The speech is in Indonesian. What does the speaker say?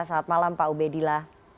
selamat malam pak ubedillah